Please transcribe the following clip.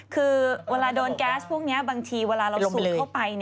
คือเวลาโดนแก๊สพวกนี้บางทีเวลาเราสูบเข้าไป